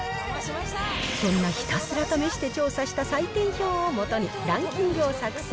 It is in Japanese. そんなひたすら試して調査した採点表をもとに、ランキングを作成。